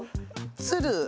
「つる」。